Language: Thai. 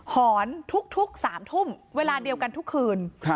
หอนทุก๓ทุ่มเวลาเดียวกันทุกคืน